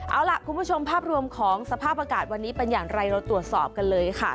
เอาล่ะคุณผู้ชมภาพรวมของสภาพอากาศวันนี้เป็นอย่างไรเราตรวจสอบกันเลยค่ะ